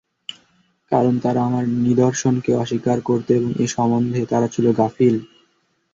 কারণ তারা আমার নিদর্শনকে অস্বীকার করত এবং এ সম্বন্ধে তারা ছিল গাফিল।